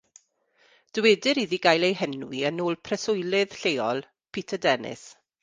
Dywedir iddi gael ei henwi yn ôl preswylydd lleol, Peter Dennis.